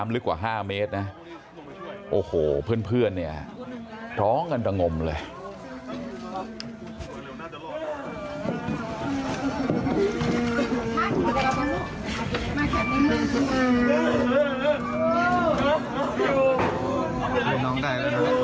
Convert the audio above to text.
ลึกกว่า๕เมตรนะโอ้โหเพื่อนเนี่ยร้องกันระงมเลย